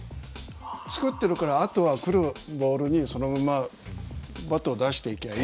作ってるからあとは来るボールにそのままバットを出していきゃいいというだけで。